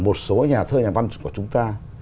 một số nhà thơ nhà văn của chúng ta